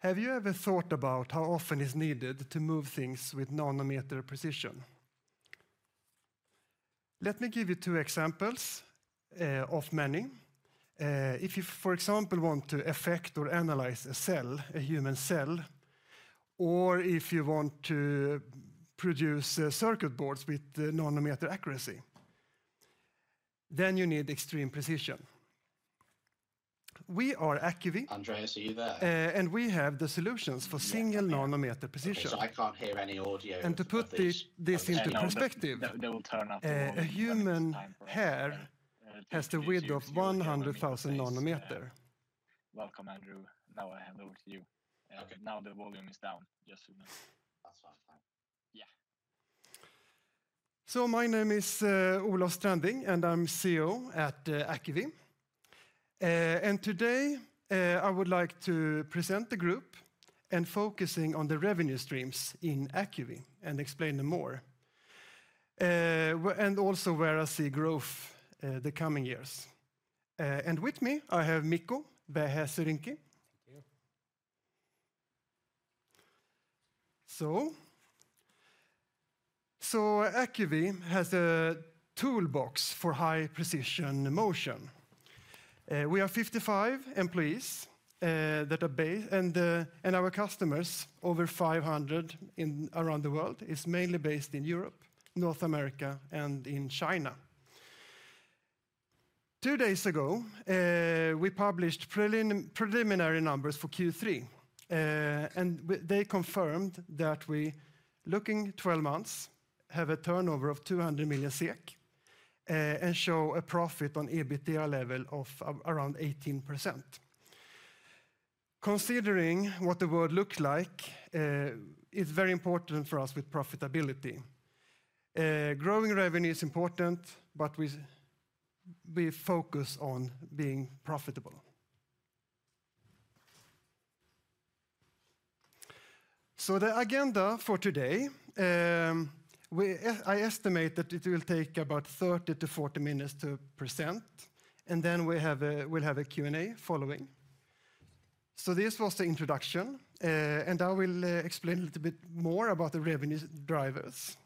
Have you ever thought about how often is needed to move things with nanometer precision? Let me give you two examples, of many. If you, for example, want to affect or analyze a cell, a human cell, or if you want to produce, circuit boards with, nanometer accuracy, then you need extreme precision. We are Acuvi, we have the solutions for single nanometer precision. To put this into perspective a human hair has the width of 100,000 nanometer. So my name is Olof Stranding, and I'm CEO at Acuvi. And today, I would like to present the group and focusing on the revenue streams in Acuvi and explain them more. And also where I see growth, the coming years. And with me, I have Mikko Vähäsöyrinki. Thank you. So, Acuvi has a toolbox for high precision motion. We have 55 employees that are based, and our customers, over 500 around the world, is mainly based in Europe, North America, and in China. Two days ago, we published preliminary numbers for Q3, and they confirmed that we, looking 12 months, have a turnover of 200 million SEK, and show a profit on EBITDA level of around 18%. Considering what the world look like, is very important for us with profitability. Growing revenue is important, but we focus on being profitable. So the agenda for today, I estimate that it will take about 30-40 minutes to present, and then we have a, we'll have a Q&A following. This was the introduction, and I will explain a little bit more about the revenue drivers.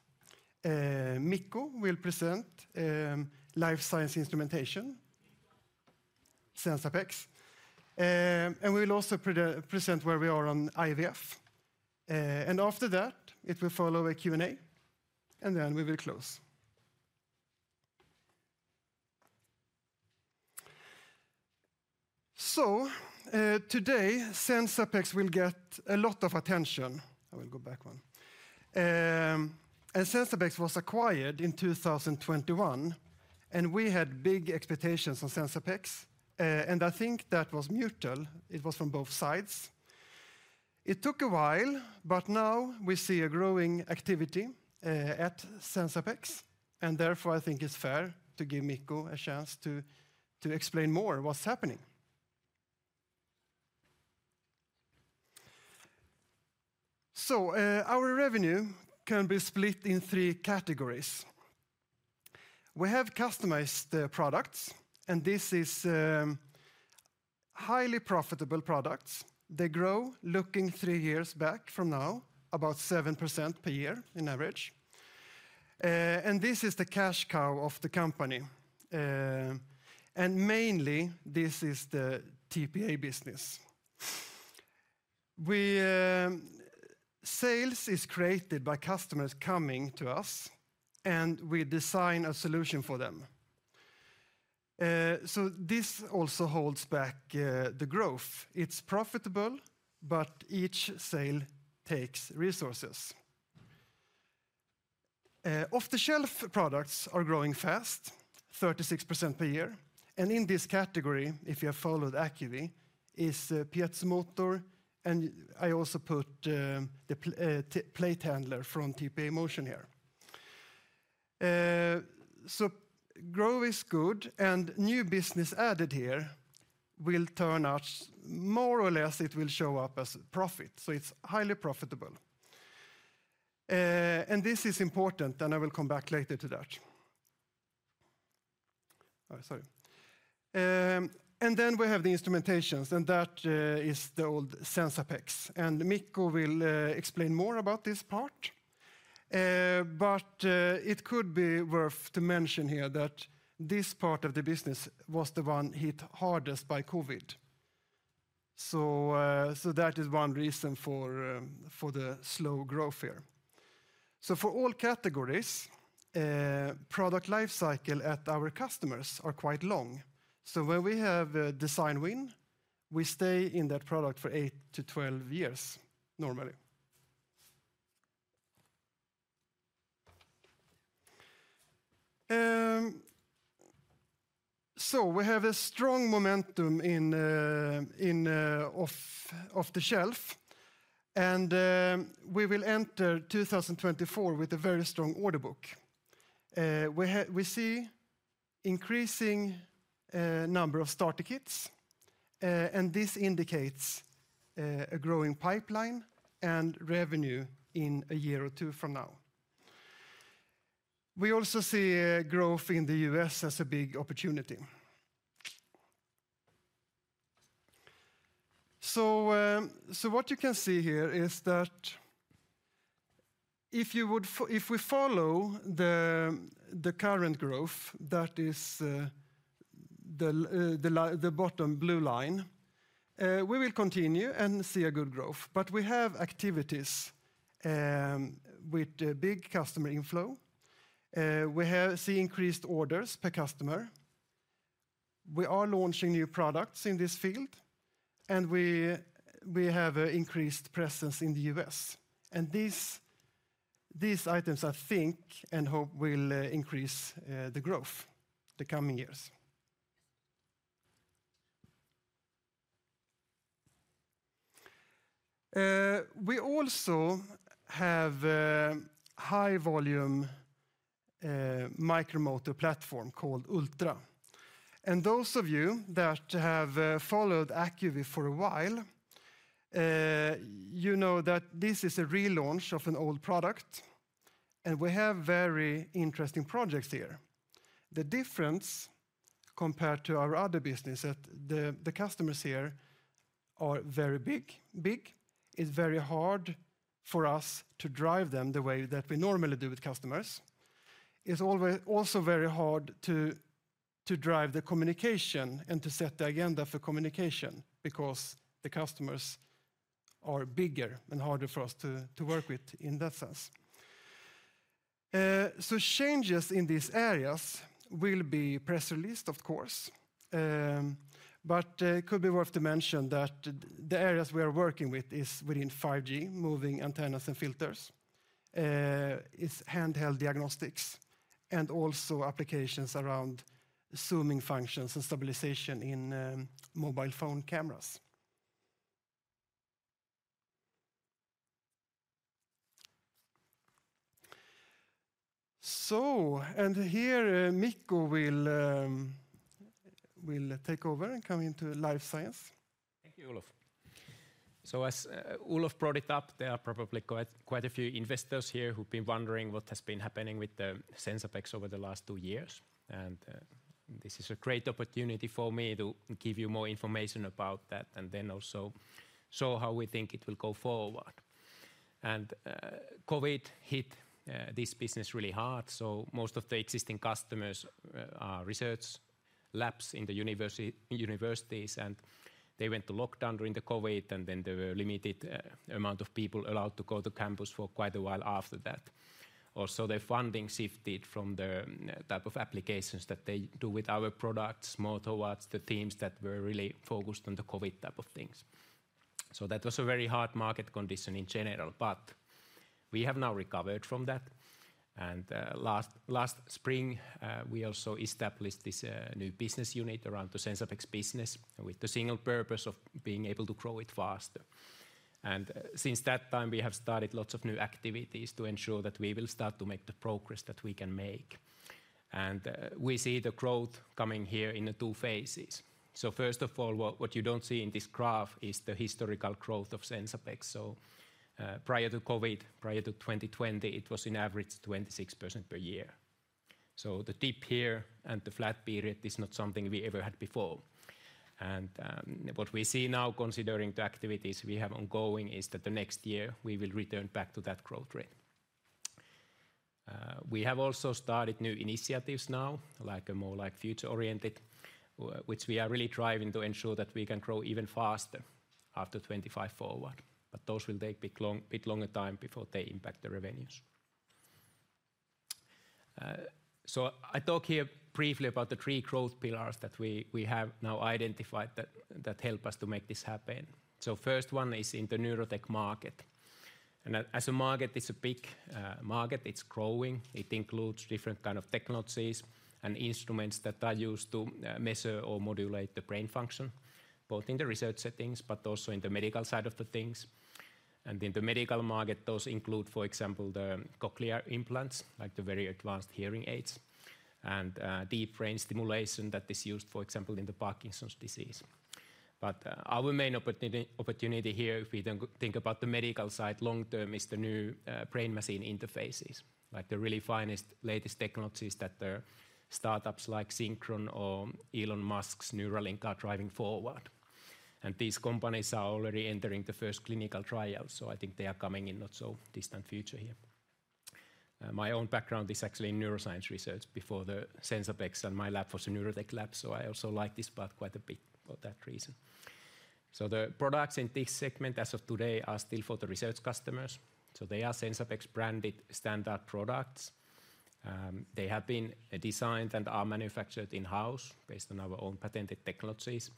Mikko will present life science instrumentation, Sensapex. We will also present where we are on IVF. After that, it will follow a Q&A, and then we will close. Today, Sensapex will get a lot of attention. I will go back one. Sensapex was acquired in 2021, and we had big expectations on Sensapex, and I think that was mutual. It was from both sides. It took a while, but now we see a growing activity at Sensapex, and therefore, I think it's fair to give Mikko a chance to explain more what's happening. Our revenue can be split in three categories. We have customized the products, and this is highly profitable products. They grow, looking three years back from now, about 7% per year in average. And this is the cash cow of the company. And mainly, this is the TPA business. Sales is created by customers coming to us, and we design a solution for them. So this also holds back the growth. It's profitable, but each sale takes resources. Off-the-shelf products are growing fast, 36% per year. And in this category, if you have followed Acuvi, is PiezoMotor, and I also put the plate handler from TPA Motion here. So growth is good, and new business added here will turn out, more or less, it will show up as profit, so it's highly profitable. And this is important, and I will come back later to that. Sorry. And then we have the instrumentations, and that is the old Sensapex, and Mikko will explain more about this part. But it could be worth to mention here that this part of the business was the one hit hardest by COVID. So that is one reason for the slow growth here. So for all categories, product life cycle at our customers are quite long. So when we have a design win, we stay in that product for 8-12 years, normally. So we have a strong momentum in off the shelf, and we will enter 2024 with a very strong order book. We see increasing number of starter kits, and this indicates a growing pipeline and revenue in a year or two from now. We also see growth in the US as a big opportunity. What you can see here is that if we follow the current growth, that is the bottom blue line, we will continue and see good growth. We have activities with big customer inflow. We have seen increased orders per customer. We are launching new products in this field, and we have an increased presence in the US. These items, I think and hope, will increase the growth the coming years. We also have a high volume micromotor platform called Ultra. Those of you that have followed Acuvi for a while, you know that this is a relaunch of an old product, and we have very interesting projects here. The difference compared to our other business, that the customers here are very big. Big is very hard for us to drive them the way that we normally do with customers. It's also very hard to drive the communication and to set the agenda for communication because the customers are bigger and harder for us to work with in that sense. So changes in these areas will be press released, of course, but it could be worth to mention that the areas we are working with is within 5G, moving antennas and filters. It's handheld diagnostics and also applications around zooming functions and stabilization in mobile phone cameras. So, and here, Mikko will take over and come into life science. Thank you, Olof. As Olof brought it up, there are probably quite a few investors here who've been wondering what has been happening with Sensapex over the last two years. This is a great opportunity for me to give you more information about that, and also show how we think it will go forward. COVID hit this business really hard, so most of the existing customers are research labs in the universities, and they went to lockdown during COVID, and then there were limited amount of people allowed to go to campus for quite a while after that. Also, the funding shifted from the type of applications that they do with our products, more towards the teams that were really focused on the COVID type of things. So that was a very hard market condition in general, but we have now recovered from that. Last spring, we also established this new business unit around the Sensapex business with the single purpose of being able to grow it faster. And since that time, we have started lots of new activities to ensure that we will start to make the progress that we can make. We see the growth coming here in the two phases. So first of all, what you don't see in this graph is the historical growth of Sensapex. Prior to COVID, prior to 2020, it was on average 26% per year. So the dip here and the flat period is not something we ever had before. What we see now, considering the activities we have ongoing, is that next year we will return back to that growth rate. We have also started new initiatives now, more like future-oriented, which we are really driving to ensure that we can grow even faster after 2025 forward. Those will take a bit longer time before they impact the revenues. I talk here briefly about the three growth pillars that we have now identified that help us to make this happen. First one is in the neurotech market, and as a market, it's a big market. It's growing. It includes different kind of technologies and instruments that are used to measure or modulate the brain function, both in the research settings, but also in the medical side of the things. In the medical market, those include, for example, the cochlear implants, like the very advanced hearing aids, and deep brain stimulation that is used, for example, in the Parkinson's disease. But our main opportunity here, if we then think about the medical side, long term, is the new brain machine interfaces, like the really finest, latest technologies that the startups like Synchron or Elon Musk's Neuralink are driving forward. And these companies are already entering the first clinical trials, so I think they are coming in not so distant future here. My own background is actually in neuroscience research before the Sensapex, and my lab was a neurotech lab, so I also like this path quite a bit for that reason. So the products in this segment, as of today, are still for the research customers, so they are Sensapex-branded standard products. They have been designed and are manufactured in-house based on our own patented technologies.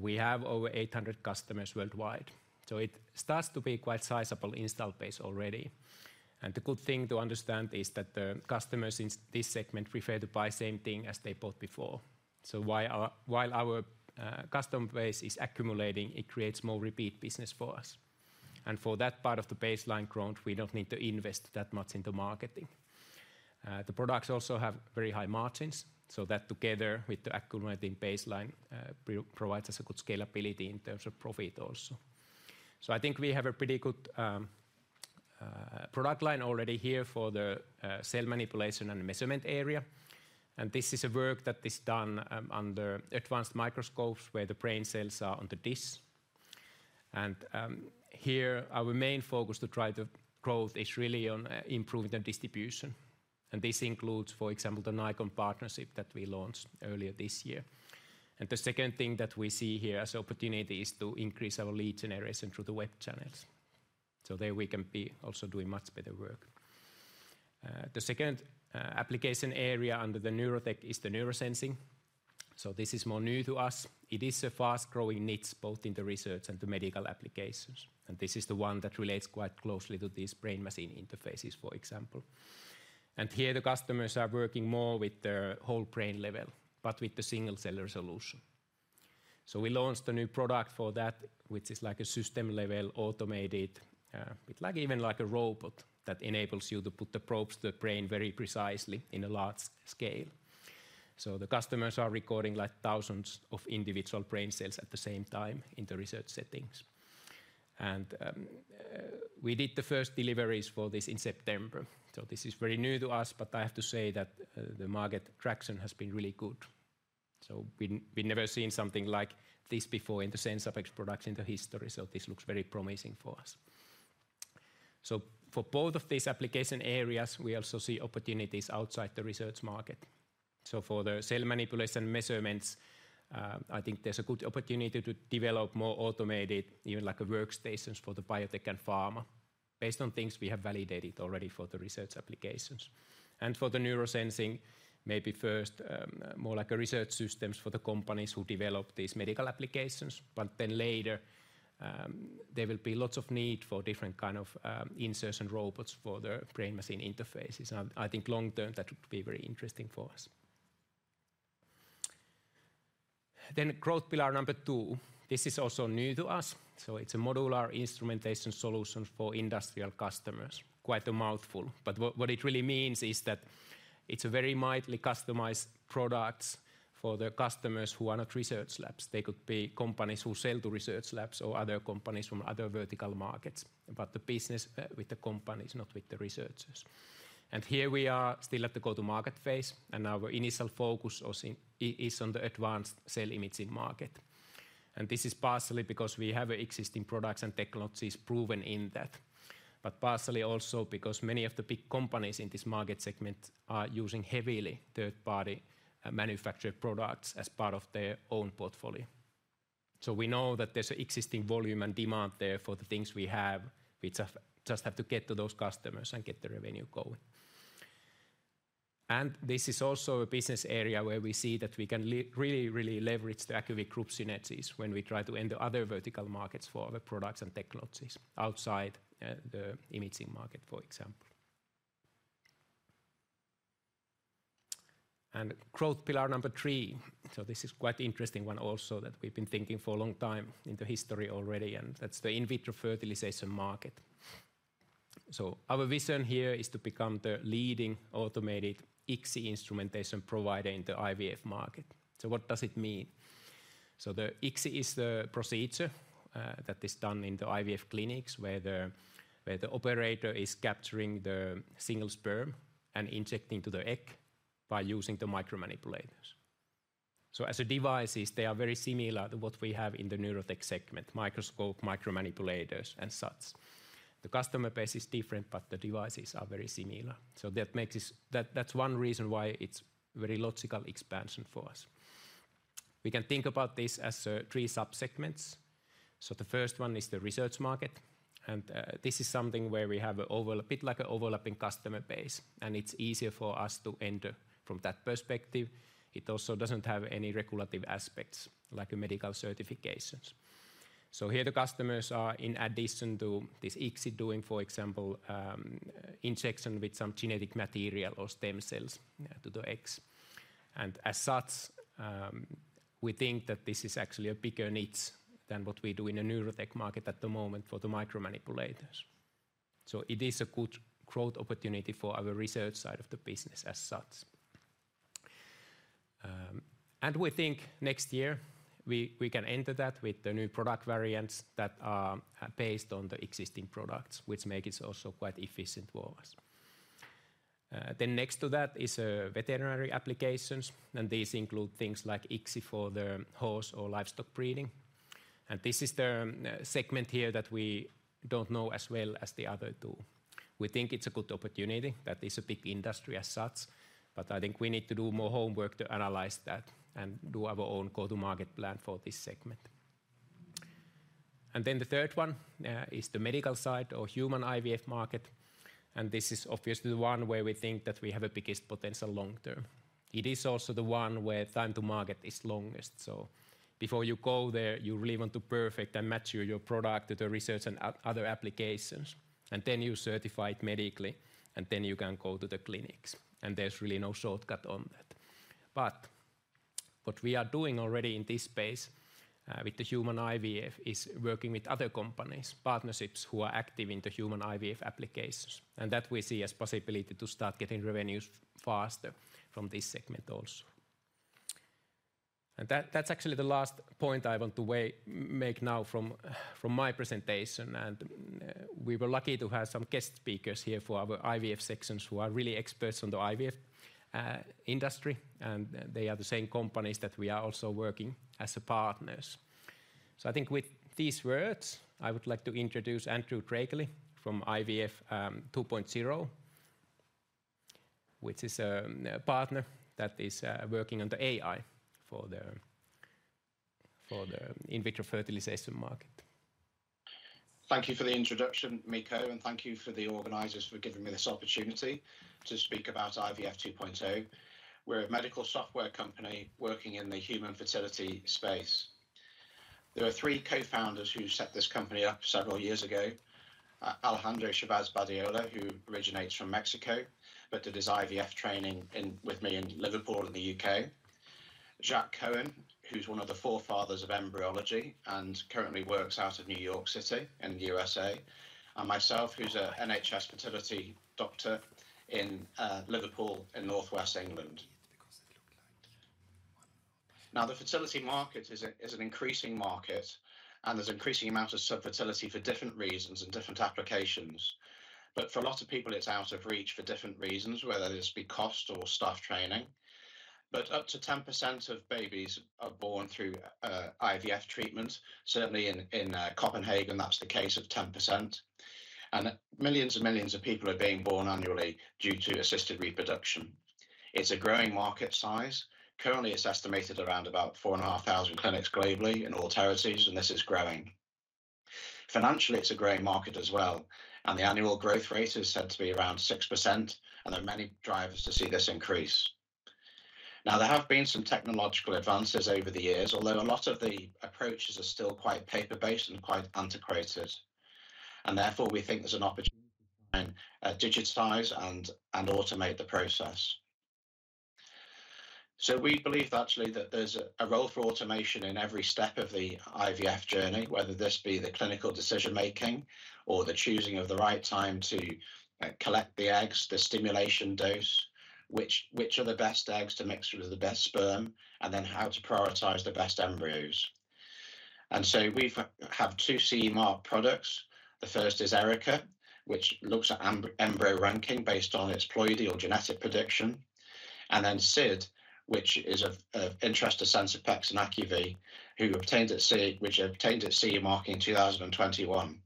We have over 800 customers worldwide, so it starts to be quite sizable install base already. The good thing to understand is that the customers in this segment prefer to buy same thing as they bought before. While our customer base is accumulating, it creates more repeat business for us. For that part of the baseline growth, we don't need to invest that much into marketing. The products also have very high margins, so that together with the accumulating baseline provides us a good scalability in terms of profit also. I think we have a pretty good product line already here for the cell manipulation and measurement area. This is a work that is done under advanced microscopes, where the brain cells are on the dish. Here, our main focus to drive the growth is really on improving the distribution. And this includes, for example, the Nikon partnership that we launched earlier this year. And the second thing that we see here as opportunity is to increase our lead generation through the web channels. So there we can be also doing much better work. The second application area under the neurotech is the neurosensing. So this is more new to us. It is a fast-growing niche, both in the research and the medical applications, and this is the one that relates quite closely to these brain-machine interfaces, for example. And here, the customers are working more with the whole brain level, but with the single-cell resolution. So we launched a new product for that, which is like a system-level, automated, like even like a robot, that enables you to put the probes to the brain very precisely in a large scale. So the customers are recording, like, thousands of individual brain cells at the same time in the research settings. And we did the first deliveries for this in September, so this is very new to us, but I have to say that the market traction has been really good. So we'd never seen something like this before in the Sensapex products in the history, so this looks very promising for us. So for both of these application areas, we also see opportunities outside the research market. So for the cell manipulation measurements, I think there's a good opportunity to develop more automated, even like a workstations for the biotech and pharma, based on things we have validated already for the research applications. And for the neurosensing, maybe first, more like a research systems for the companies who develop these medical applications, but then later, there will be lots of need for different kind of, insertion robots for the brain-machine interfaces. And I think long term, that would be very interesting for us. Then growth pillar number two, this is also new to us, so it's a modular instrumentation solution for industrial customers. Quite a mouthful, but what, what it really means is that it's a very mildly customized products for the customers who are not research labs. They could be companies who sell to research labs or other companies from other vertical markets, but the business with the companies, not with the researchers. And here we are still at the go-to-market phase, and our initial focus also is on the advanced cell imaging market. And this is partially because we have existing products and technologies proven in that, but partially also because many of the big companies in this market segment are using heavily third-party manufactured products as part of their own portfolio. So we know that there's existing volume and demand there for the things we have. We just have to get to those customers and get the revenue going. This is also a business area where we see that we can really, really leverage the Acuvi group synergies when we try to enter other vertical markets for other products and technologies outside the imaging market, for example. Growth pillar number 3, so this is quite interesting one also, that we've been thinking for a long time in the history already, and that's the in vitro fertilization market. So our vision here is to become the leading automated ICSI instrumentation provider in the IVF market. So what does it mean? So the ICSI is the procedure that is done in the IVF clinics, where the operator is capturing the single sperm and injecting into the egg by using the micromanipulators. So as devices, they are very similar to what we have in the neurotech segment: microscope, micromanipulators, and such. The customer base is different, but the devices are very similar. That's one reason why it's a very logical expansion for us. We can think about this as three sub-segments. The first one is the research market, and this is something where we have a bit like an overlapping customer base, and it's easier for us to enter from that perspective. It also doesn't have any regulative aspects, like medical certifications. Here the customers are, in addition to this ICSI, doing, for example, injection with some genetic material or stem cells, yeah, to the eggs. As such, we think that this is actually a bigger niche than what we do in the neurotech market at the moment for the micromanipulators. It is a good growth opportunity for our research side of the business as such. And we think next year, we can enter that with the new product variants that are based on the existing products, which makes it also quite efficient for us. Then next to that is veterinary applications, and these include things like ICSI for the horse or livestock breeding. And this is the segment here that we don't know as well as the other two. We think it's a good opportunity, that is a big industry as such, but I think we need to do more homework to analyze that and do our own go-to-market plan for this segment. And then the third one is the medical side or human IVF market, and this is obviously the one where we think that we have the biggest potential long term. It is also the one where time-to-market is longest. Before you go there, you really want to perfect and mature your product to the research and other applications, and then you certify it medically, and then you can go to the clinics, and there's really no shortcut on that. What we are doing already in this space, with the human IVF, is working with other companies, partnerships, who are active in the human IVF applications, and that we see as a possibility to start getting revenues faster from this segment also. That's actually the last point I want to make now from my presentation. We were lucky to have some guest speakers here for our IVF sections, who are really experts on the IVF industry, and they are the same companies that we are also working as partners. So I think with these words, I would like to introduce Andrew Drakeley from IVF 2.0, which is a partner that is working on the AI for the in vitro fertilization market. Thank you for the introduction, Mikko, and thank you to the organizers for giving me this opportunity to speak about IVF 2.0. We're a medical software company working in the human fertility space. There are three co-founders who set this company up several years ago: Alejandro Chavez-Badiola, who originates from Mexico but did his IVF training with me in Liverpool in the U.K.; Jacques Cohen, who's one of the forefathers of embryology and currently works out of New York City in the U.S.; and myself, who's an NHS fertility doctor in Liverpool in northwest England. Now, the fertility market is an increasing market, and there's an increasing amount of subfertility for different reasons and different applications. For a lot of people, it's out of reach for different reasons, whether this be cost or staff training. But up to 10% of babies are born through IVF treatment. Certainly in Copenhagen, that's the case of 10%. And millions and millions of people are being born annually due to assisted reproduction. It's a growing market size. Currently, it's estimated around about 4,500 clinics globally in all territories, and this is growing. Financially, it's a growing market as well, and the annual growth rate is said to be around 6%, and there are many drivers to see this increase. Now, there have been some technological advances over the years, although a lot of the approaches are still quite paper-based and quite antiquated. And therefore, we think there's an opportunity to digitize and automate the process. So we believe actually that there's a role for automation in every step of the IVF journey, whether this be the clinical decision-making or the choosing of the right time to collect the eggs, the stimulation dose, which are the best eggs to mix with the best sperm, and then how to prioritize the best embryos. And so we have two CE marked products. The first is ERICA, which looks at embryo ranking based on its ploidy or genetic prediction. And then SiD, which is of interest to Sensapex and Acuvi, which obtained its CE marking in 2021.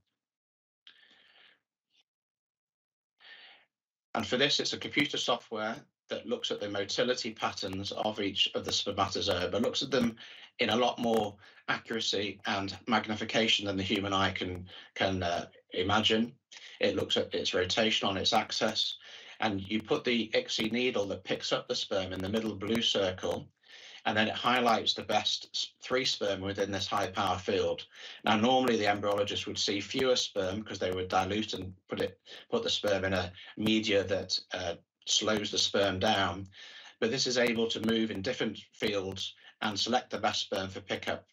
And for this, it's a computer software that looks at the motility patterns of each of the spermatozoa, but looks at them in a lot more accuracy and magnification than the human eye can imagine. It looks at its rotation on its axis, and you put the ICSI needle that picks up the sperm in the middle blue circle, and then it highlights the best three sperm within this high-power field. Now, normally, the embryologist would see fewer sperm because they would dilute and put the sperm in a media that slows the sperm down, but this is able to move in different fields and select the best sperm for pickup.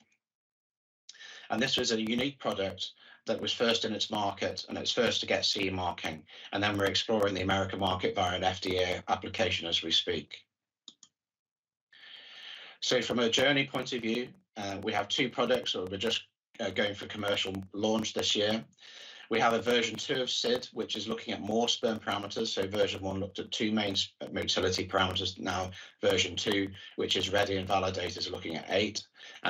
And this was a unique product that was first in its market and its first to get CE marking, and then we're exploring the American market via an FDA application as we speak. So from a journey point of view, we have two products, so we're just going for commercial launch this year. We have a version two of SiD, which is looking at more sperm parameters. So version one looked at two main sperm motility parameters, now version two, which is ready and validated, is looking at eight.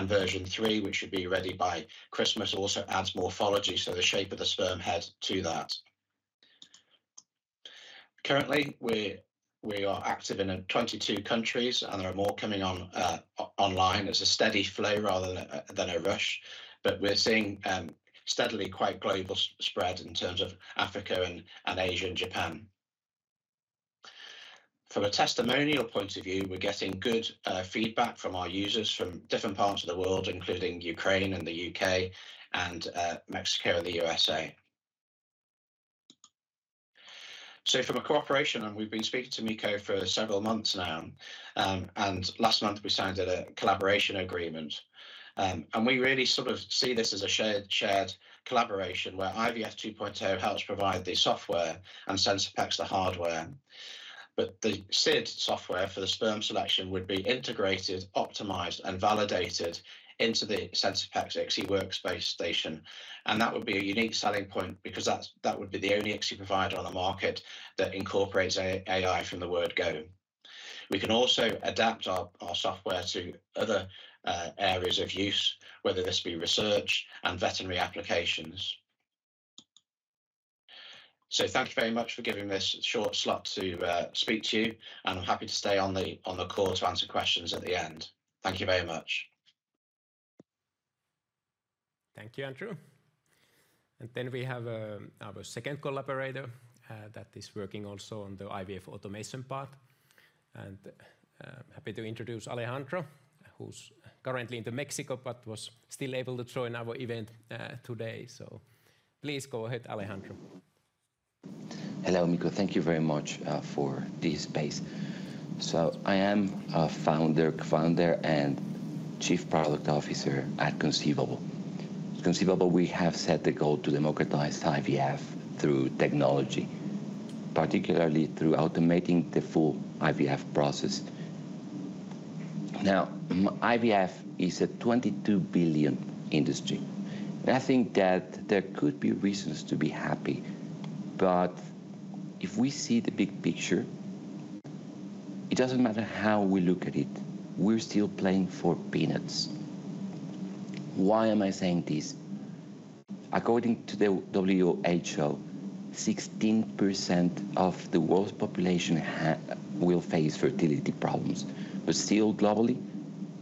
Version three, which should be ready by Christmas, also adds morphology, so the shape of the sperm head to that. Currently, we're, we are active in 22 countries, and there are more coming on online. There's a steady flow rather than a rush, but we're seeing steadily, quite global spread in terms of Africa and Asia and Japan. From a testimonial point of view, we're getting good feedback from our users from different parts of the world, including Ukraine and the UK and Mexico and the USA. So from a cooperation, and we've been speaking to Mikko for several months now, and last month we signed a collaboration agreement. And we really sort of see this as a shared, shared collaboration where IVF 2.0 helps provide the software and Sensapex the hardware. But the SiD software for the sperm selection would be integrated, optimized, and validated into the Sensapex ICSI workstation, and that would be a unique selling point because that's, that would be the only ICSI provider on the market that incorporates AI from the word go. We can also adapt our, our software to other areas of use, whether this be research and veterinary applications. So thank you very much for giving this short slot to speak to you, and I'm happy to stay on the, on the call to answer questions at the end. Thank you very much. Thank you, Andrew. And then we have our second collaborator that is working also on the IVF automation part, and happy to introduce Alejandro, who's currently in Mexico, but was still able to join our event today. So please go ahead, Alejandro. Hello, Mikko. Thank you very much for this space. So I am a founder, co-founder and Chief Product Officer at Conceivable. Conceivable, we have set the goal to democratize IVF through technology, particularly through automating the full IVF process. Now, IVF is a $22 billion industry. I think that there could be reasons to be happy, but if we see the big picture, it doesn't matter how we look at it, we're still playing for peanuts. Why am I saying this? According to the WHO, 16% of the world's population will face fertility problems, but still globally,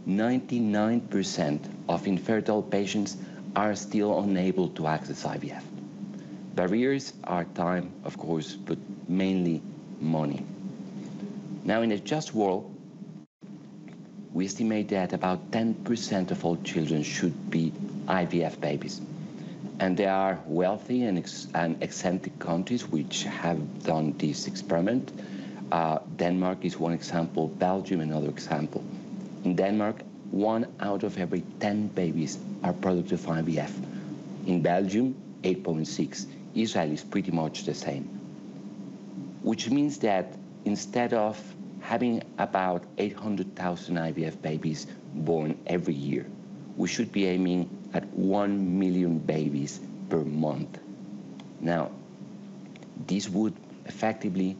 99% of infertile patients are still unable to access IVF. Barriers are time, of course, but mainly money. Now, in a just world, we estimate that about 10% of all children should be IVF babies, and there are wealthy and eccentric countries which have done this experiment. Denmark is one example, Belgium, another example. In Denmark, 1 out of every 10 babies are product of IVF. In Belgium, 8.6. Israel is pretty much the same, which means that instead of having about 800,000 IVF babies born every year, we should be aiming at 1 million babies per month. This would effectively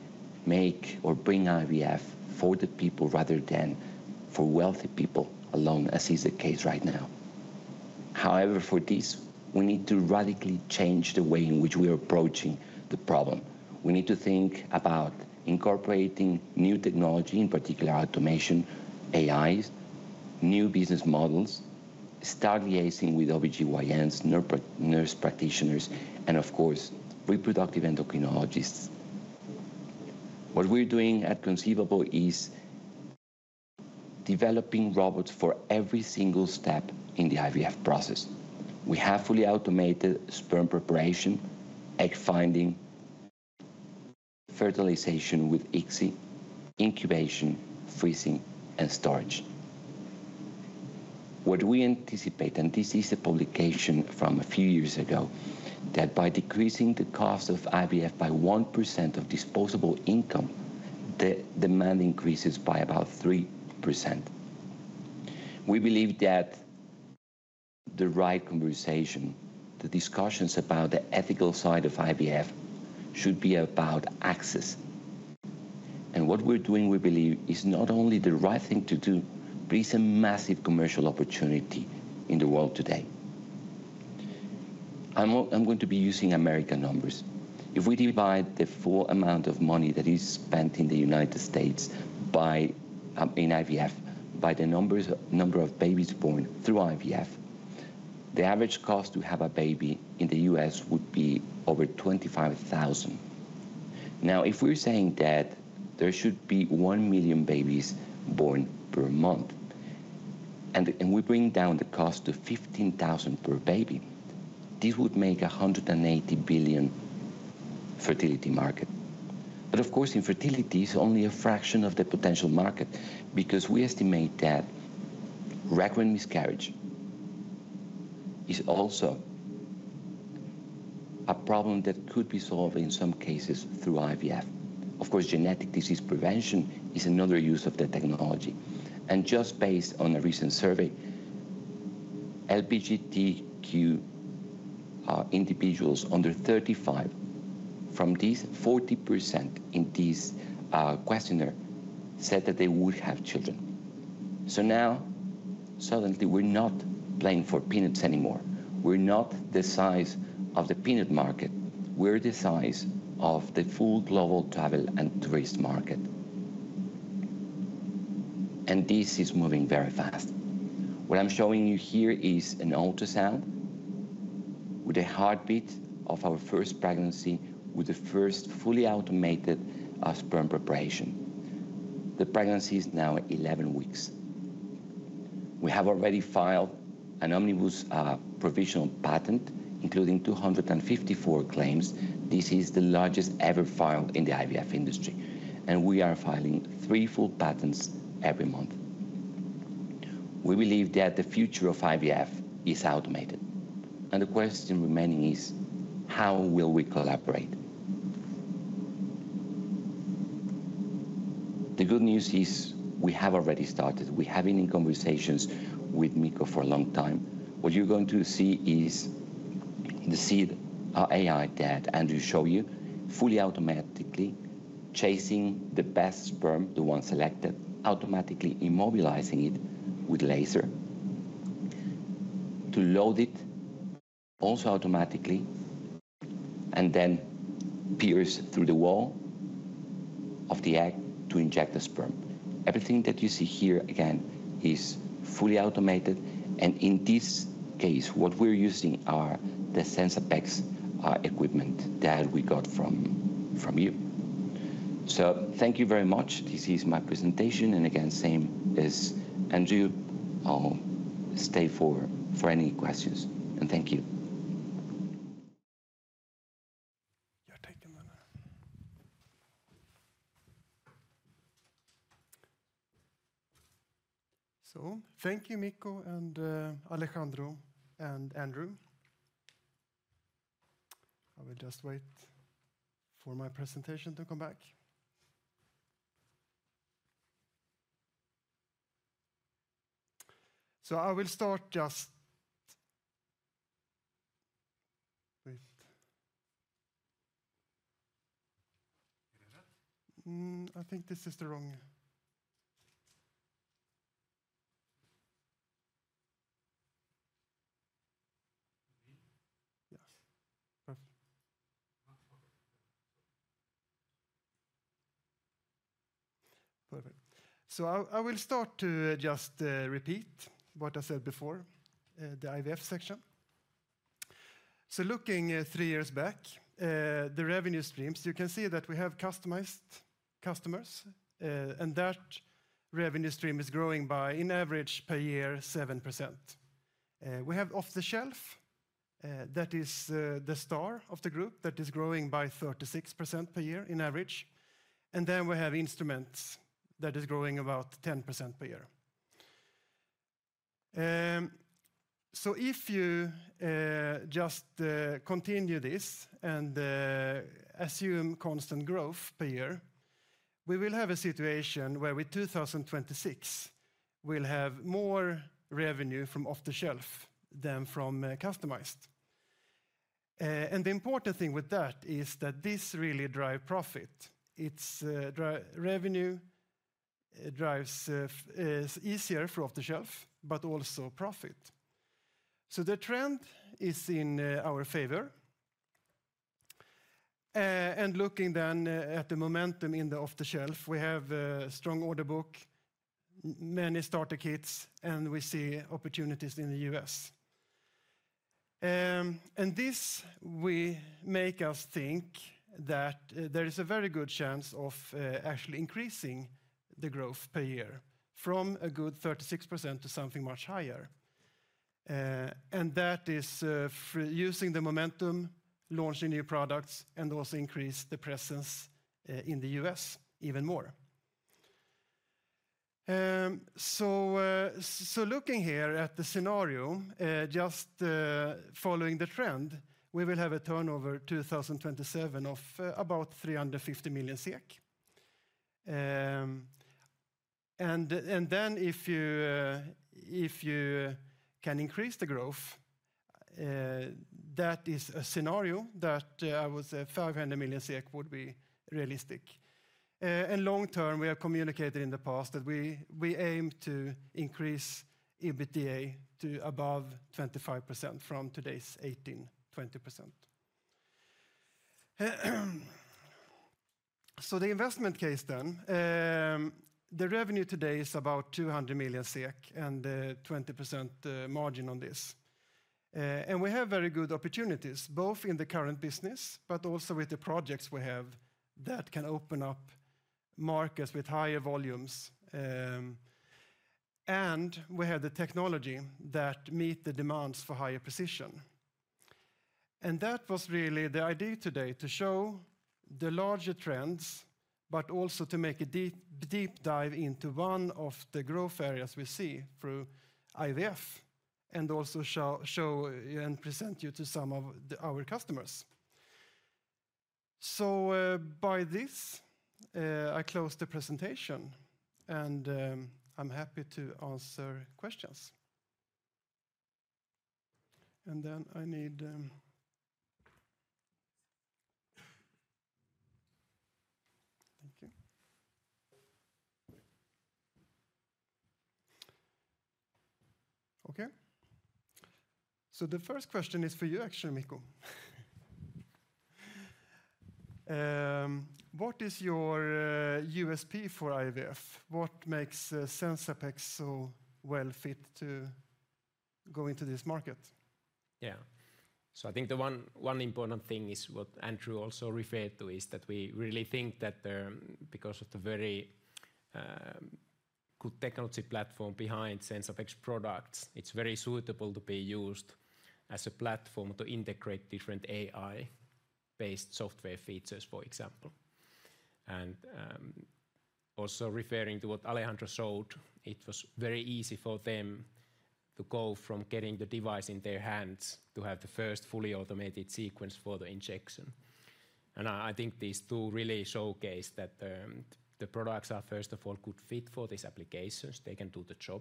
make or bring IVF for the people rather than for wealthy people alone, as is the case right now. However, for this, we need to radically change the way in which we are approaching the problem. We need to think about incorporating new technology, in particular, automation, AIs, new business models, start liaising with OBGYNs, nurse practitioners, and of course, reproductive endocrinologists. What we're doing at Conceivable is developing robots for every single step in the IVF process. We have fully automated sperm preparation, egg finding, fertilization with ICSI, incubation, freezing, and storage. What we anticipate, and this is a publication from a few years ago, that by decreasing the cost of IVF by 1% of disposable income, the demand increases by about 3%. We believe that the right conversation, the discussions about the ethical side of IVF, should be about access. And what we're doing, we believe, is not only the right thing to do, but it's a massive commercial opportunity in the world today. I'm going to be using American numbers. If we divide the full amount of money that is spent in the United States by, in IVF, by the numbers, number of babies born through IVF, the average cost to have a baby in the U.S. would be over $25,000. Now, if we're saying that there should be 1 million babies born per month, and we bring down the cost to $15,000 per baby, this would make a $180 billion fertility market. But of course, infertility is only a fraction of the potential market, because we estimate that recurrent miscarriage is also a problem that could be solved in some cases through IVF. Of course, genetic disease prevention is another use of the technology. And just based on a recent survey, LGBTQ individuals under 35, from these, 40% in this questionnaire, said that they would have children. So now, suddenly, we're not playing for peanuts anymore. We're not the size of the peanut market. We're the size of the full global travel and tourist market. And this is moving very fast. What I'm showing you here is an ultrasound with a heartbeat of our first pregnancy, with the first fully automated sperm preparation. The pregnancy is now 11 weeks. We have already filed an omnibus provisional patent, including 254 claims. This is the largest ever filed in the IVF industry, and we are filing 3 full patents every month. We believe that the future of IVF is automated, and the question remaining is: How will we collaborate? The good news is, we have already started. We have been in conversations with Mikko for a long time. What you're going to see is the seed, AI, that Andrew show you, fully automatically chasing the best sperm, the one selected, automatically immobilizing it with laser, to load it also automatically, and then pierce through the wall of the egg to inject the sperm. Everything that you see here, again, is fully automated, and in this case, what we're using are the Sensapex equipment that we got from you. So thank you very much. This is my presentation, and again, same as Andrew, I'll stay for any questions. Thank So thank you, Mikko and Alejandro and Andrew. I will just wait for my presentation to come back. So I will start. Perfect. I will start to just repeat what I said before, the IVF section. Looking three years back, the revenue streams, you can see that we have customized customers, and that revenue stream is growing by, in average per year, 7%. We have off-the-shelf, that is the star of the group that is growing by 36% per year in average. Then we have instruments that is growing about 10% per year. If you just continue this and assume constant growth per year, we will have a situation where with 2026, we'll have more revenue from off-the-shelf than from customized. The important thing with that is that this really drive profit. It's revenue, it drives easier for off-the-shelf, but also profit. So the trend is in our favor. And looking then at the momentum in the off-the-shelf, we have a strong order book, many starter kits, and we see opportunities in the U.S. And this will make us think that there is a very good chance of actually increasing the growth per year from a good 36% to something much higher. And that is through using the momentum, launching new products, and also increase the presence in the U.S. even more. So, so looking here at the scenario, just following the trend, we will have a turnover 2027 of about 350 million SEK. And then if you can increase the growth, that is a scenario that I would say 500 million SEK would be realistic. And long term, we have communicated in the past that we aim to increase EBITDA to above 25% from today's 18%-20%. So the investment case then, the revenue today is about 200 million SEK and 20% margin on this. And we have very good opportunities, both in the current business, but also with the projects we have that can open up markets with higher volumes. And we have the technology that meet the demands for higher precision. And that was really the idea today, to show the larger trends, but also to make a deep, deep dive into one of the growth areas we see through IVF, and also show, show and present you to some of our customers. So, by this, I close the presentation, and, I'm happy to answer questions. Thank you. Okay. So the first question is for you, actually, Mikko. What is your, USP for IVF? What makes, Sensapex so well fit to go into this market? Yeah. So I think the one important thing is, what Andrew also referred to, is that we really think that, because of the very good technology platform behind Sensapex products, it's very suitable to be used as a platform to integrate different AI-based software features, for example. And also referring to what Alejandro showed, it was very easy for them to go from getting the device in their hands to have the first fully automated sequence for the injection. And I think these two really showcase that, the products are, first of all, good fit for these applications. They can do the job,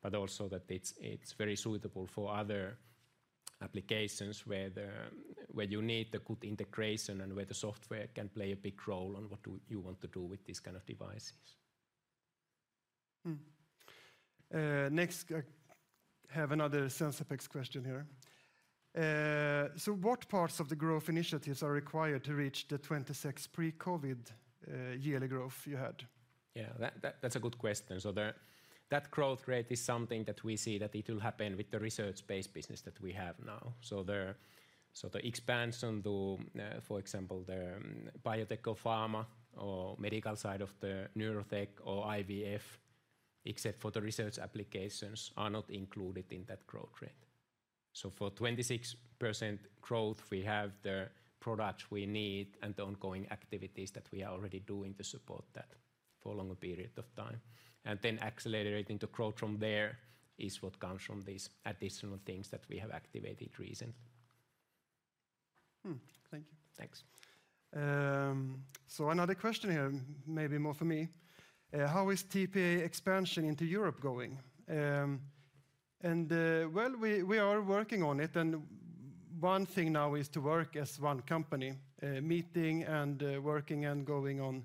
but also that it's very suitable for other applications where you need a good integration and where the software can play a big role on what do you want to do with these kind of devices. Next, I have another Sensapex question here. So what parts of the growth initiatives are required to reach the 26 pre-COVID yearly growth you had? Yeah, that's a good question. So that growth rate is something that we see that it will happen with the research-based business that we have now. So the expansion to, for example, the biotech or pharma or medical side of the Neurotech or IVF, except for the research applications, are not included in that growth rate. So for 26% growth, we have the products we need and the ongoing activities that we are already doing to support that for a longer period of time. And then accelerating the growth from there is what comes from these additional things that we have activated recently. Thank you. Thanks. So another question here, maybe more for me. How is TPA expansion into Europe going? Well, we are working on it, and one thing now is to work as one company, meeting and working and going on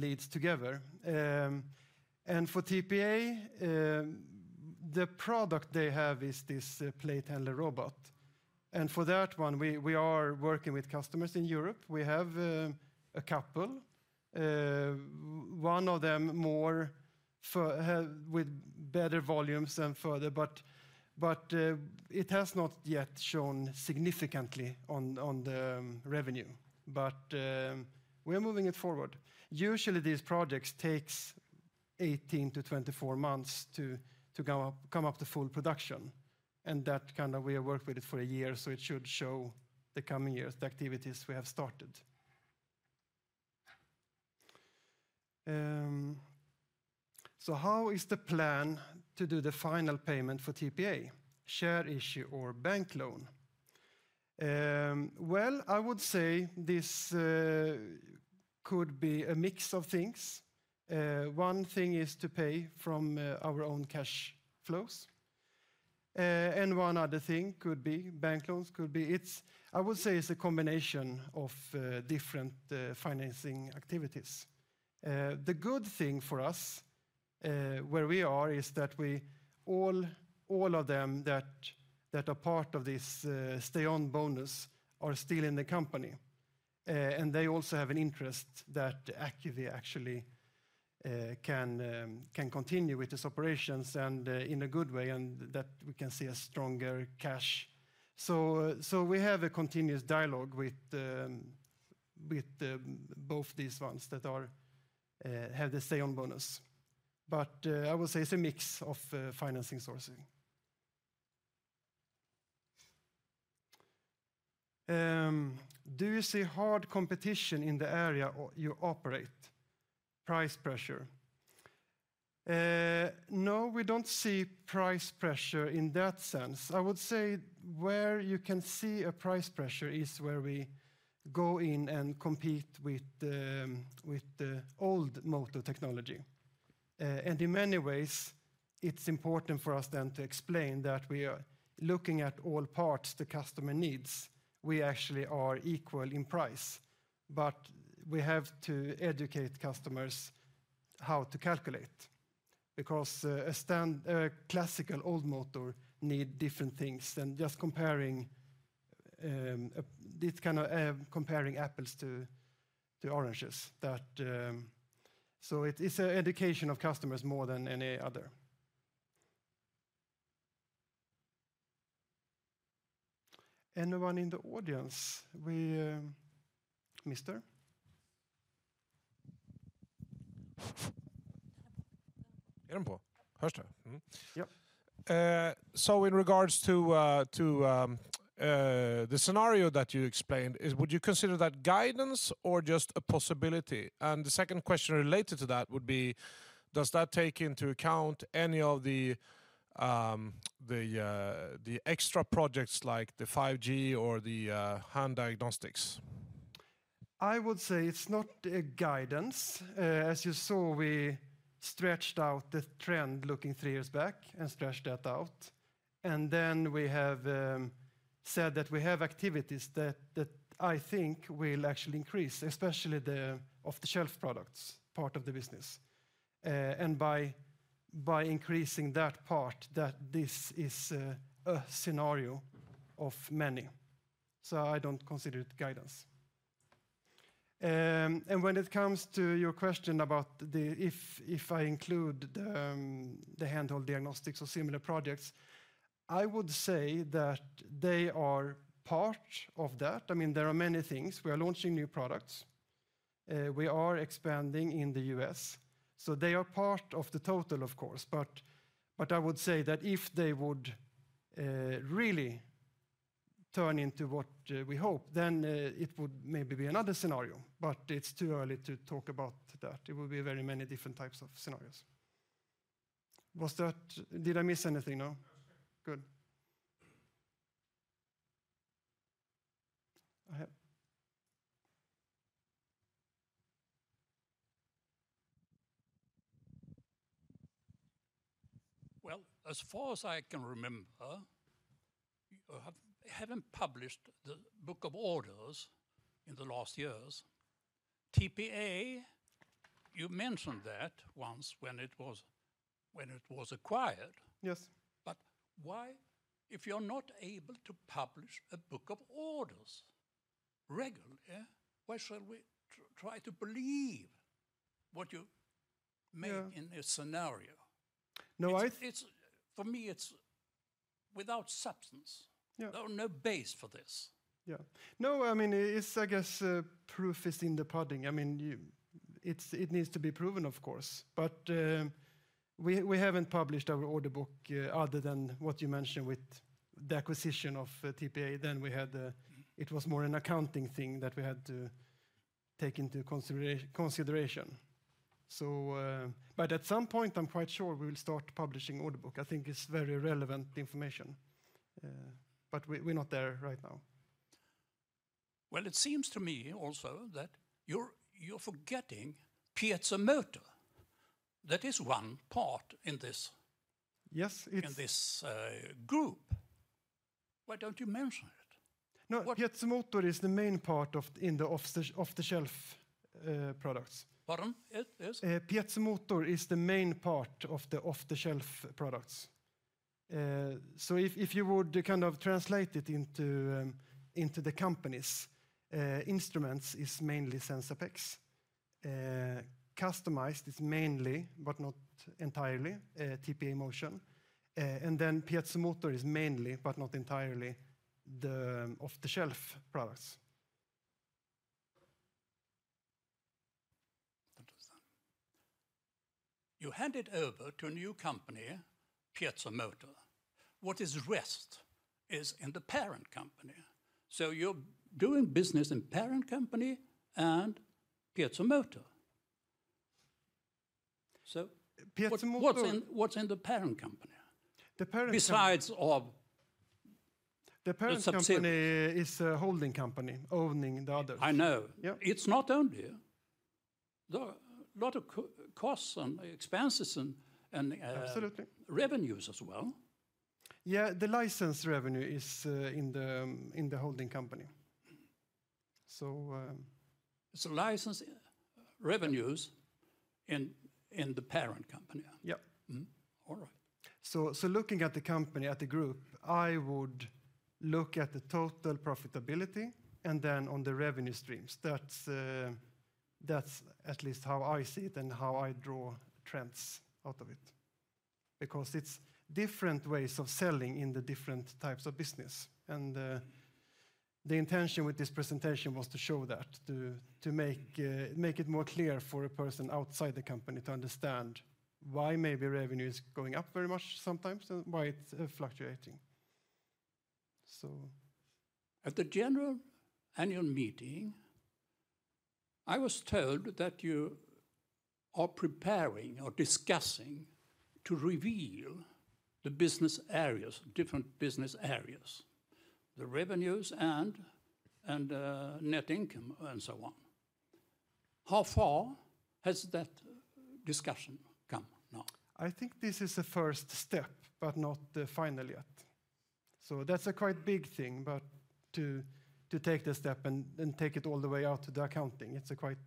leads together. For TPA, the product they have is this plate handler robot, and for that one, we are working with customers in Europe. We have a couple, one of them more for with better volumes and further, but it has not yet shown significantly on the revenue, but we are moving it forward. Usually, these projects take 18-24 months to come up to full production, and that kind of we have worked with it for a year, so it should show the coming years, the activities we have started. How is the plan to do the final payment for TPA? Share issue or bank loan? Well, I would say this could be a mix of things. One thing is to pay from our own cash flows, and one other thing could be bank loans, I would say, it's a combination of different financing activities. The good thing for us, where we are, is that all of them that are part of this stay-on bonus are still in the company. They also have an interest that Acuvi actually can continue with its operations and in a good way, and that we can see a stronger cash. So we have a continuous dialogue with both these ones that are have the stay-on bonus. I would say it's a mix of financing sourcing. Do you see hard competition in the area you operate? Price pressure. No, we don't see price pressure in that sense. I would say where you can see a price pressure is where we go in and compete with the old motor technology. In many ways, it's important for us then to explain that we are looking at all parts the customer needs. We actually are equal in price, but we have to educate customers how to calculate, because a stand, a classical old motor need different things than just comparing. It's kinda comparing apples to oranges. That, so it is a education of customers more than any other. Anyone in the audience? Yeah, so in regards to the scenario that you explained, would you consider that guidance or just a possibility? And the second question related to that would be, does that take into account any of the extra projects like the 5G or the hand diagnostics? I would say it's not a guidance. As you saw, we stretched out the trend looking three years back and stretched that out. And then we have said that we have activities that I think will actually increase, especially the off-the-shelf products part of the business. And by increasing that part, that this is a scenario of many. So I don't consider it guidance. And when it comes to your question about, if I include the hand-held diagnostics or similar projects, I would say that they are part of that. I mean, there are many things. We are launching new products, we are expanding in the U.S., so they are part of the total, of course. But I would say that if they would really turn into what we hope, then it would maybe be another scenario, but it's too early to talk about that. It will be very many different types of scenarios. Was that? Did I miss anything? No. Well, as far as I can remember, you haven't published the book of orders in the last years. TPA, you mentioned that once when it was acquired. But why, if you're not able to publish a book of orders regularly, yeah, why should we try to believe what you make in this scenario? For me, it's without substance. There are no basis for this. Yeah. No, I mean, it's, I guess, proof is in the pudding. I mean, it's, it needs to be proven, of course. But, we, we haven't published our order book, other than what you mentioned with the acquisition of, TPA. Then we had, it was more an accounting thing that we had to take into consideration. So, but at some point, I'm quite sure we will start publishing order book. I think it's very relevant information, but we, we're not there right now. Well, it seems to me also that you're forgetting PiezoMotor. That is one part in this in this, group. Why don't you mention it? No, PiezoMotor is the main part of the off-the-shelf products. PiezoMotor is the main part of the off-the-shelf products. So if, if you would kind of translate it into, into the company's instruments, is mainly Sensapex. Customized is mainly, but not entirely, TPA Motion. And then PiezoMotor is mainly, but not entirely, the off-the-shelf products. You hand it over to a new company, PiezoMotor. What is rest is in the parent company. So you're doing business in parent company and PiezoMotor. What's in the parent company besides the subsidy. The parent company is a holding company, owning the others. It's not only. There are a lot of costs and expenses and revenues as well. Yeah, the license revenue is in the holding company. License revenues in the parent company? So looking at the company, at the group, I would look at the total profitability, and then on the revenue streams. That's at least how I see it and how I draw trends out of it. Because it's different ways of selling in the different types of business, and the intention with this presentation was to show that, to make it more clear for a person outside the company to understand why maybe revenue is going up very much sometimes and why it's fluctuating. At the general annual meeting, I was told that you are preparing or discussing to reveal the business areas, different business areas, the revenues and net income, and so on. How far has that discussion come now? I think this is the first step, but not the final yet. So that's quite big thing, but to take the step and take it all the way out to the accounting, it's a quite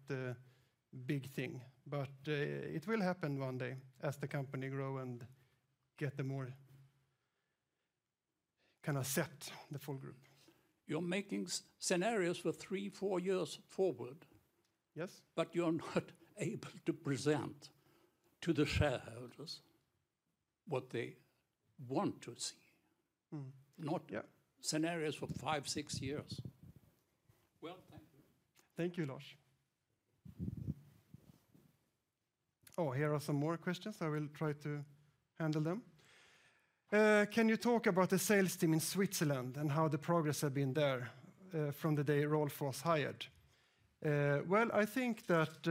big thing. But it will happen one day as the company grow and get the set the full group. You're making scenarios for 3, 4 years forward. But you're not able to present to the shareholders what they want to see. Not scenarios for 5, 6 years. Well, thank you. Thank you, Lars. Oh, here are some more questions. I will try to handle them. "Can you talk about the sales team in Switzerland, and how the progress have been there, from the day Rolf was hired?" Well, I think that,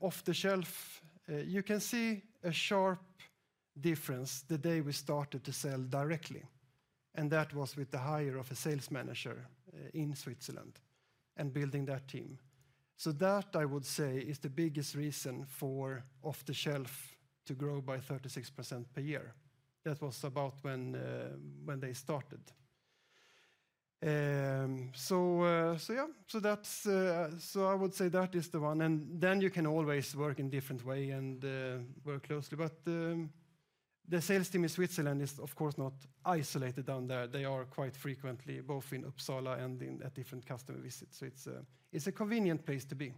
off-the-shelf, you can see a sharp difference the day we started to sell directly, and that was with the hire of a sales manager in Switzerland and building that team. So that, I would say, is the biggest reason for off-the-shelf to grow by 36% per year. That was about when they started. So, so yeah, so that's. So I would say that is the one, and then you can always work in different way and work closely. But, the sales team in Switzerland is, of course, not isolated down there. They are quite frequently both in Uppsala and at different customer visits, so it's a convenient place to be.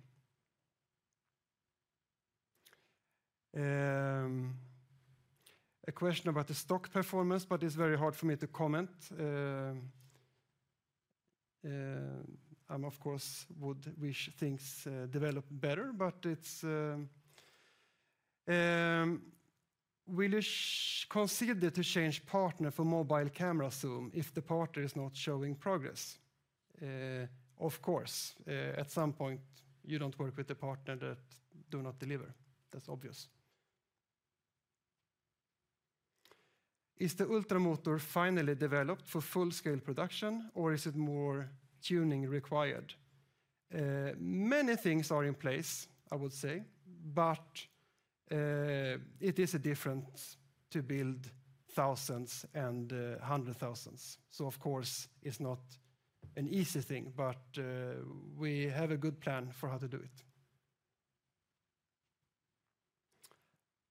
A question about the stock performance, but it's very hard for me to comment. I, of course, would wish things develop better, "Will you consider to change partner for mobile camera zoom if the partner is not showing progress?" Of course, at some point, you don't work with a partner that does not deliver. That's obvious. "Is the Ultra motor finally developed for full-scale production, or is it more tuning required?" Many things are in place, I would say, but it is different to build thousands and hundred thousands. Of course, it's not an easy thing, but we have a good plan for how to do it.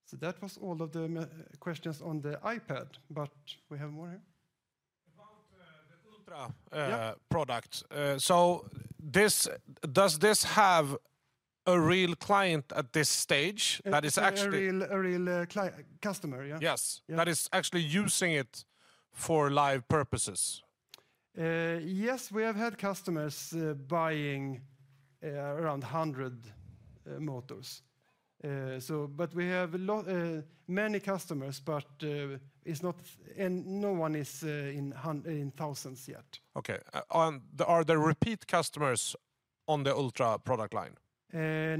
So that was all of the questions on the iPad, but we have more here. About the Ultra product. So this, does this have a real client at this stage that is actually using it for live purposes? Yes, we have had customers buying around 100 motors. So but we have a lot, many customers, but and no one is in thousands yet. Okay. Are there repeat customers on the Ultra product line?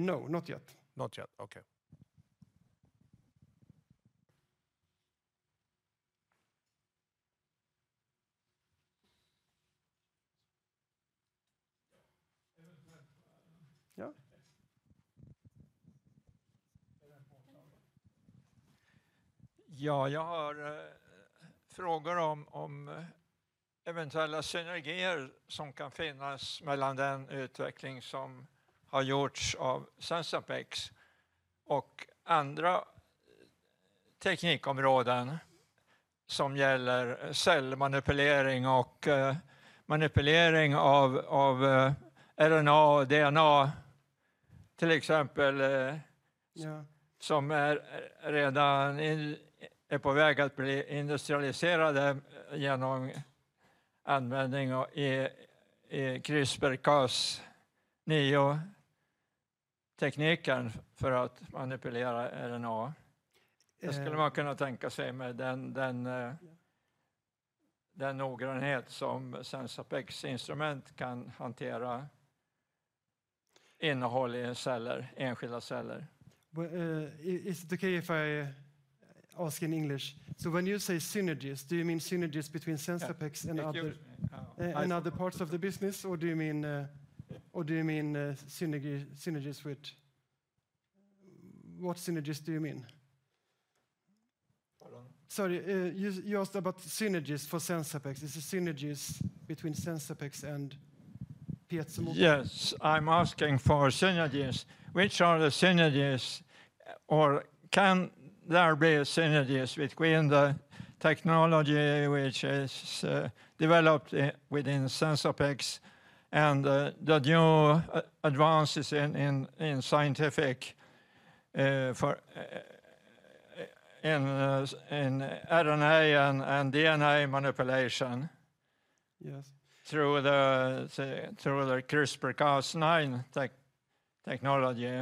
No, not yet. Not yet. Okay. Ja, jag har frågor om eventuella synergier som kan finnas mellan den utveckling som har gjorts av Sensapex och andra teknikområden som gäller cellmanipulering och manipulering av RNA och DNA, till exempel. Ja redan är på väg att bli industrialiserade genom användning i CRISPR-Cas9-tekniken för att manipulera RNA. Det skulle man kunna tänka sig med den noggrannhet som Sensapex instrument kan hantera innehåll i celler, enskilda celler. Is it okay if I ask in English? So when you say synergies, do you mean synergies between Sensapex and other parts of the business, or do you mean synergy? What synergies do you mean? Sorry, you asked about synergies for Sensapex. Is the synergies between Sensapex and PiezoMotor? Yes, I'm asking for synergies. Which are the synergies, or can there be synergies between the technology which is developed within Sensapex and the new advances in scientific for in RNA and DNA manipulation through the CRISPR-Cas9 technology?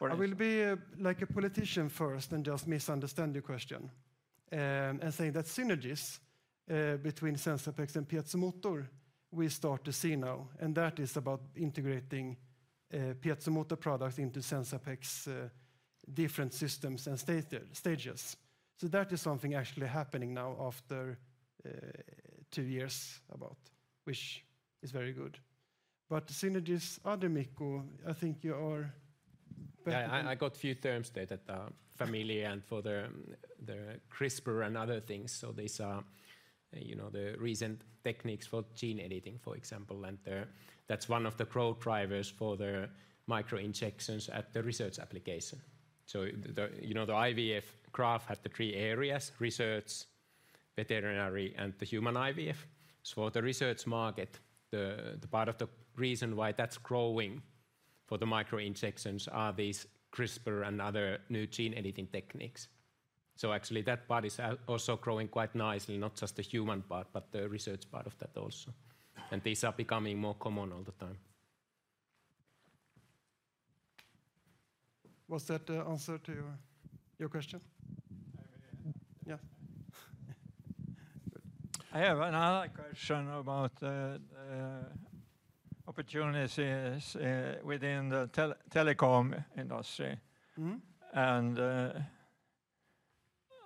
I will be, like a politician first and just misunderstand your question, and say that synergies, between Sensapex and PiezoMotor, we start to see now, and that is about integrating, PiezoMotor products into Sensapex, different systems and stages. So that is something actually happening now after, two years, about, which is very good. But synergies other, Mikko. Yeah, I got a few terms there that are familiar, and for the CRISPR and other things. So these are, you know, the recent techniques for gene editing, for example, and that's one of the core drivers for the micro injections at the research application. So you know, the IVF graph had the three areas: research, veterinary, and the human IVF. So for the research market, the part of the reason why that's growing for the micro injections are these CRISPR and other new gene editing techniques. So actually, that part is also growing quite nicely, not just the human part, but the research part of that also. And these are becoming more common all the time. Was that the answer to your question? Yeah. I have another question about the opportunities within the telecom industry.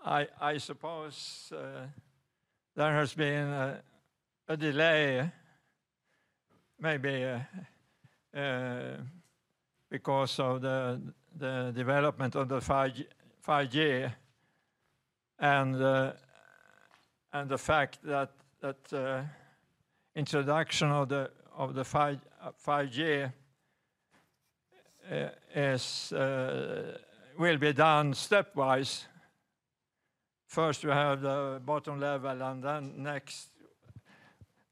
I suppose there has been a delay, maybe because of the development of 5G, 5G and the fact that the introduction of 5G is, will be done stepwise. First, you have the bottom level, and then next,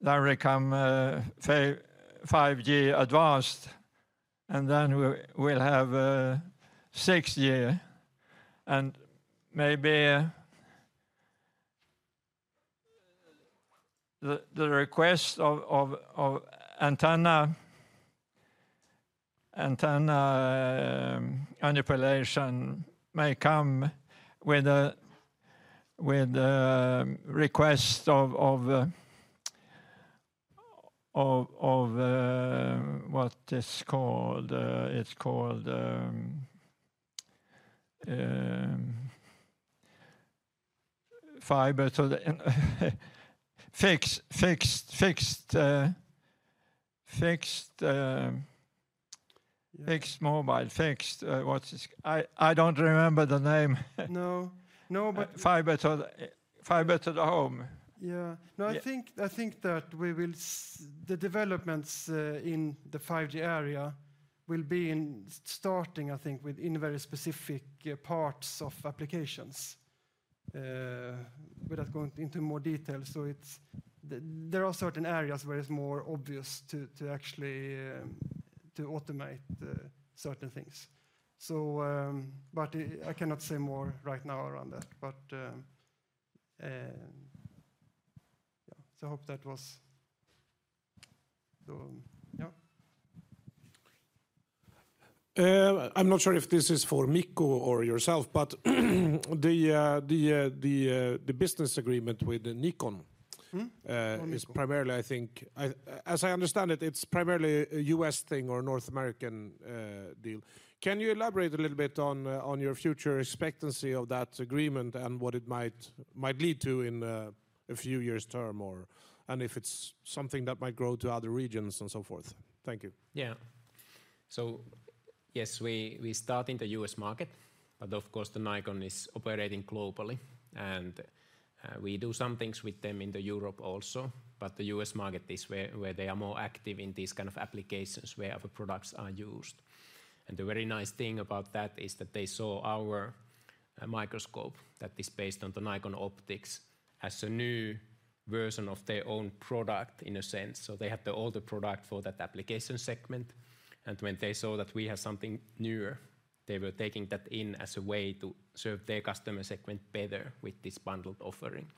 there come 5G advanced, and then we'll have 6G. Maybe the request of antenna, antenna manipulation may come with a request of what it's called, it's called fiber to the mobile, fixed I don't remember the name. Fiber to the home. No, I think that we will see the developments in the 5G area starting, I think, with very specific parts of applications without going into more detail. So it's there are certain areas where it's more obvious to actually implement to automate certain things. So, but I cannot say more right now around that, but yeah, so I hope that was. I'm not sure if this is for Mikko or yourself, but the business agreement with Nikon is primarily, I think, as I understand it, it's primarily a U.S. thing or a North American deal. Can you elaborate a little bit on your future expectancy of that agreement and what it might lead to in a few years' term, or, and if it's something that might grow to other regions and so forth? Thank you. Yeah. Yes, we start in the US market, but of course, Nikon is operating globally, and we do some things with them in Europe also. The US market is where they are more active in these kind of applications where our products are used. The very nice thing about that is that they saw our microscope that is based on the Nikon optics as a new version of their own product, in a sense. They had the older product for that application segment, and when they saw that we had something newer, they were taking that in as a way to serve their customer segment better with this bundled offering.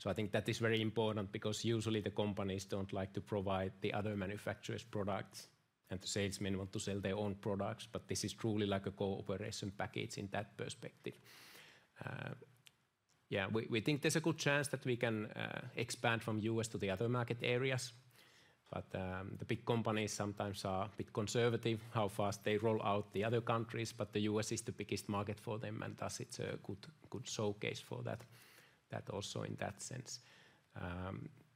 So I think that is very important because usually the companies don't like to provide the other manufacturer's products, and the salesmen want to sell their own products, but this is truly like a cooperation package in that perspective. Yeah, we, we think there's a good chance that we can expand from U.S. to the other market areas, but the big companies sometimes are a bit conservative, how fast they roll out the other countries, but the U.S. is the biggest market for them, and thus it's a good, good showcase for that, that also in that sense.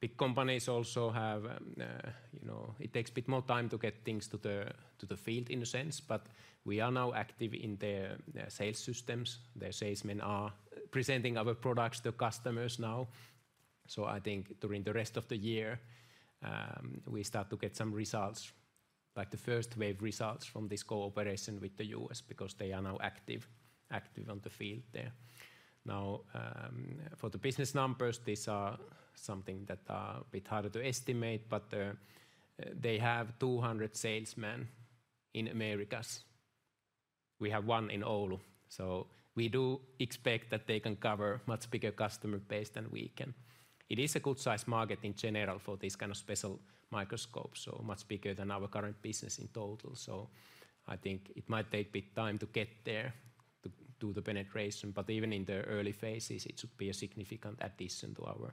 Big companies also have, you know, it takes a bit more time to get things to the, to the field, in a sense, but we are now active in their, their sales systems. Their salesmen are presenting our products to customers now. So I think during the rest of the year, we start to get some results, like the first WAVE results from this cooperation with the U.S. because they are now active, active on the field there. Now, for the business numbers, these are something that are a bit harder to estimate, but, they have 200 salesmen in Americas. We have one in Oulu, so we do expect that they can cover much bigger customer base than we can. It is a good size market in general for these kind of special microscopes, so much bigger than our current business in total. So I think it might take a bit time to get there, to do the penetration, but even in the early phases, it should be a significant addition to our,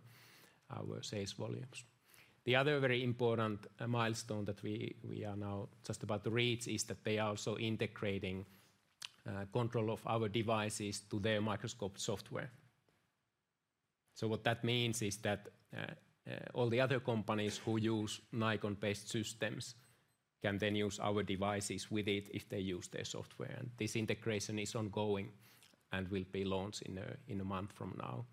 our sales volumes. The other very important milestone that we are now just about to reach is that they are also integrating control of our devices to their microscope software. What that means is that all the other companies who use Nikon-based systems can then use our devices with it if they use their software. This integration is ongoing and will be launched in a month from now.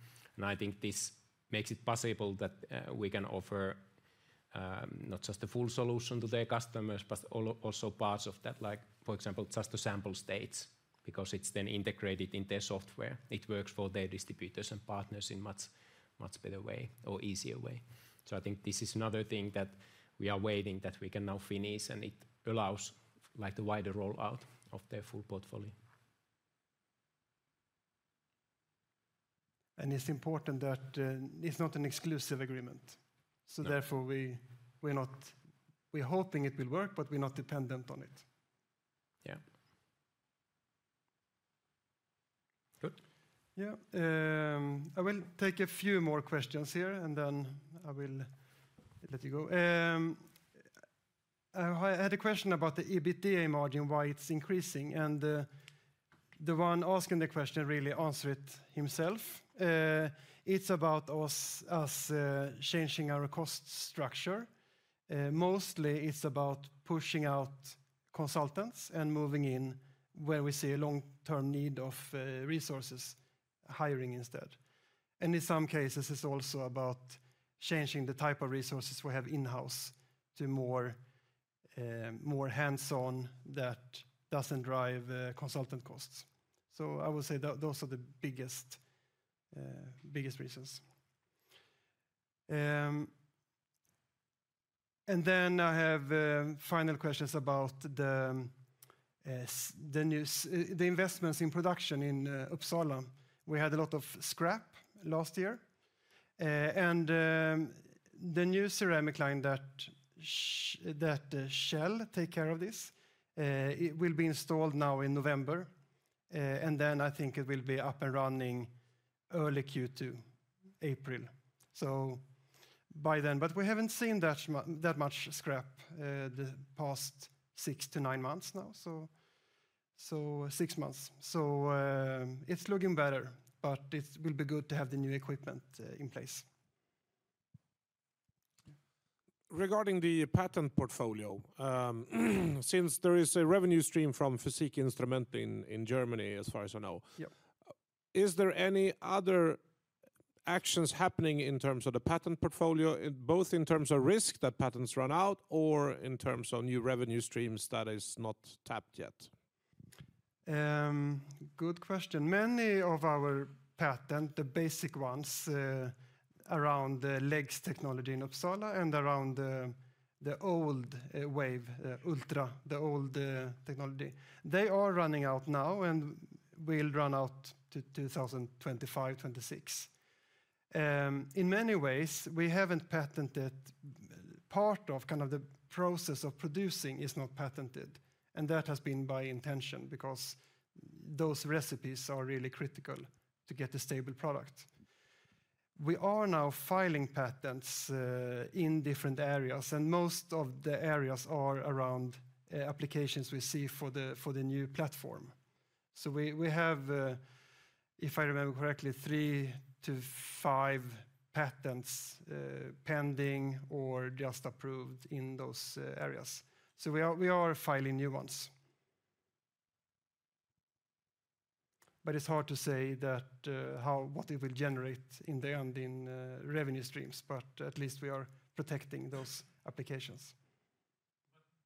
I think this makes it possible that we can offer not just the full solution to their customers, but also parts of that for example, just the sample stages, because it's then integrated in their software. It works for their distributors and partners in a much better way or easier way. I think this is another thing that we are waiting, that we can now finish, and it allows, like, the wider rollout of their full portfolio. It's important that it's not an exclusive agreement. So, therefore, we're hoping it will work, but we're not dependent on it. Yeah. I will take a few more questions here, and then I will let you go. I had a question about the EBITDA margin, why it's increasing, and the one asking the question really answered it himself. It's about us, us, changing our cost structure. Mostly it's about pushing out consultants and moving in where we see a long-term need of resources, hiring instead. And in some cases, it's also about changing the type of resources we have in-house to more, more hands-on that doesn't drive consultant costs. So I would say that those are the biggest, biggest reasons. And then I have final questions about the news, the investments in production in Uppsala. We had a lot of scrap last year, and the new ceramic line that shall take care of this, it will be installed now in November, and I think it will be up and running early Q2, April. We haven't seen that much scrap the past six to nine months now, six months. It's looking better, but it will be good to have the new equipment in place. Regarding the patent portfolio, since there is a revenue stream from Physik Instrumente in Germany, as far as I know is there any other actions happening in terms of the patent portfolio, in both in terms of risk that patents run out or in terms of new revenue streams that is not tapped yet? Good question. Many of our patent, the basic ones, around the LEGS technology in Uppsala and around the old WAVE, all the old technology, they are running out now and will run out 2025-2026. In many ways, we haven't patented part of kind of the process of producing is not patented, and that has been by intention because those recipes are really critical to get a stable product. We are now filing patents in different areas, and most of the areas are around applications we see for the new platform. We have, if I remember correctly, 3-5 patents pending or just approved in those areas. We are filing new ones. But it's hard to say what it will generate in the end in revenue streams, but at least we are protecting those applications.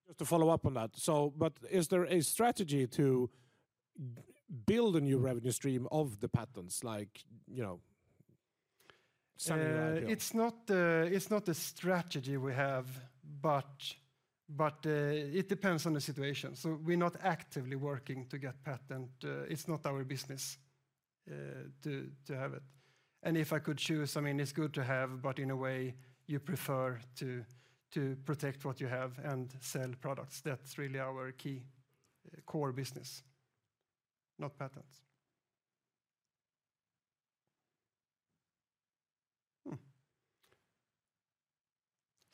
Just to follow up on that, so but is there a strategy to build a new revenue stream of the patents, like, you know, selling the idea? It's not a strategy we have, but it depends on the situation. So we're not actively working to get patent. It's not our business to have it. And if I could choose, I mean, it's good to have, but in a way, you prefer to protect what you have and sell products. That's really our key core business, not patents.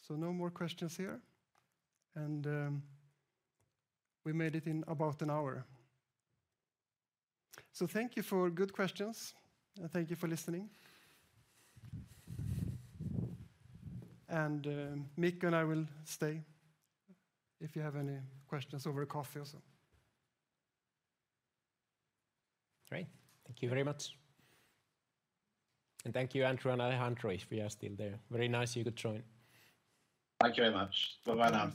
So no more questions here, and we made it in about an hour. So thank you for good questions, and thank you for listening. And Mick and I will stay if you have any questions over coffee or so. Great. Thank you very much. Thank you, Andrew and Alejandro, if you are still there. Very nice you could join. Thank you very much. Bye-bye now.